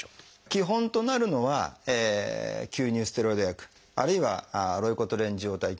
基本となるのは吸入ステロイド薬あるいはロイコトリエン受容体拮抗薬。